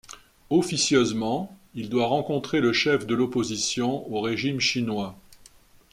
Officieusement, il doit rencontrer le chef de l'opposition au régime chinois.